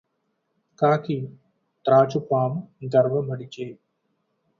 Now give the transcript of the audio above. కాకి త్రాచుపాము గర్వ మడచె